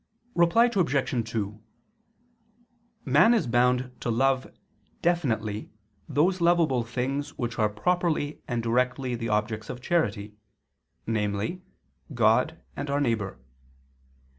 Reply Obj. 2: Man is bound to love definitely those lovable things which are properly and directly the objects of charity, namely, God and our neighbor.